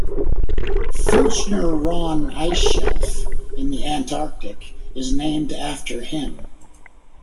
Filchner-Ronne Ice Shelf in the Antarctic is named after him.